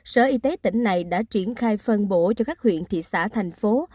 sở y tế tỉnh này đã triển khai phân bổ cho các huyện thị xã thành phố